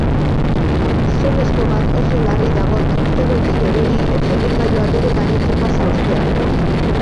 Gizonezko bat oso larri dago traktoretik erori eta ibilgailua bere gainetik pasa ostean.